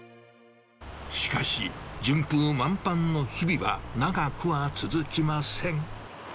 しかし、順風満帆の日々は長くは続きません。